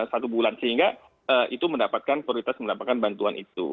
satu bulan sehingga itu mendapatkan prioritas mendapatkan bantuan itu